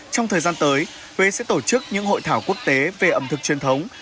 trong thời gian tới huế sẽ tổ chức những hội thảo quốc tế về ẩm thực truyền thống